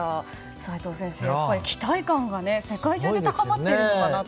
齋藤先生、期待感が世界中で高まっているのかなと。